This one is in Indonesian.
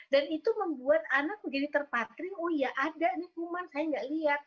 dan itu membuat anak menjadi terpatering oh iya ada nih kuman saya enggak lihat